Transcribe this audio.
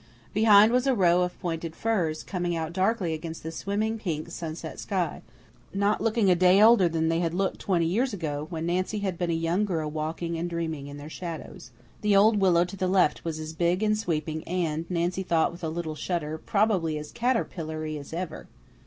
Behind was a row of pointed firs, coming out darkly against the swimming pink sunset sky, not looking a day older than they had looked twenty years ago, when Nancy had been a young girl walking and dreaming in their shadows. The old willow to the left was as big and sweeping and, Nancy thought with a little shudder, probably as caterpillary, as ever.